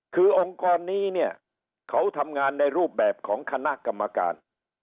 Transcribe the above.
คือองค์กรนี้เนี่ยเขาทำงานในรูปแบบของคณะกรรมการ